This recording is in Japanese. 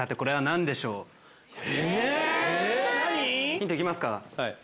ヒント行きますか。